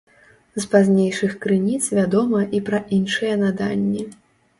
З пазнейшых крыніц вядома і пра іншыя наданні.